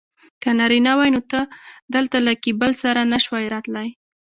که نارینه وای نو ته دلته له کیبل سره نه شوای راتلای.